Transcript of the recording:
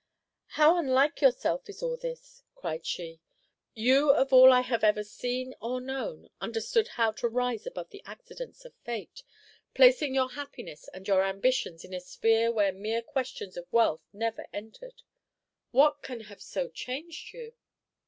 "How unlike yourself is all this!" cried she. "You of all I have ever seen or known, understood how to rise above the accidents of fate, placing your happiness and your ambitions in a sphere where mere questions of wealth never entered. What can have so changed you?"